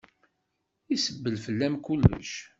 Isebbel fell-am kullec.